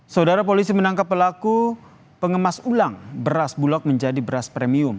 saudara polisi menangkap pelaku pengemas ulang beras bulog menjadi beras premium